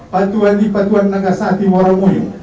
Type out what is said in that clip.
patuan di patuan nangka saati waromuyo